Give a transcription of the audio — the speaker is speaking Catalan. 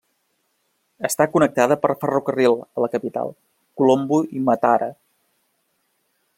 Està connectada per ferrocarril a la capital, Colombo i Matara.